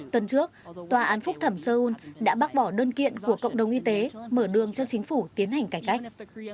tuần trước tòa án phúc thẩm seoul đã bác bỏ đơn kiện của cộng đồng y tế mở đường cho chính phủ tiến hành cải cách